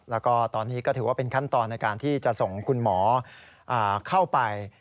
แล้วก็ตอนนี้ก็ถือว่าเป็นขั้นตอนในการที่จะส่งคุณหมอเข้าไป